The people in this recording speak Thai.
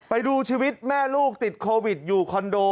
ไปดูชีวิตแม่ลูกติดโควิดอยู่คอนโด